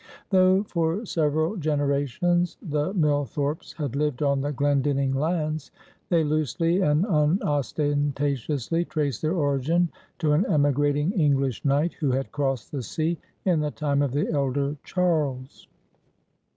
Though for several generations the Millthorpes had lived on the Glendinning lands, they loosely and unostentatiously traced their origin to an emigrating English Knight, who had crossed the sea in the time of the elder Charles.